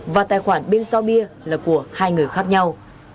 và tài khoản bên giao bia là của hai người khác nhau